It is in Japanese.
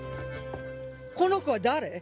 この子は誰？